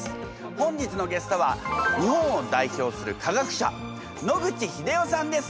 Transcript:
本日のゲストは日本を代表する科学者野口英世さんです